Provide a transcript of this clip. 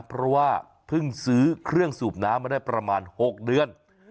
เพราะว่าเพิ่งซื้อเครื่องสูบน้ำมาได้ประมาณ๖เดือน